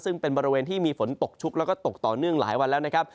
ซึ่งเป็นบริเวณที่มีฝนตกชุกแล้วก็ตกต่อเนื่องหลายวันแล้วนะครับ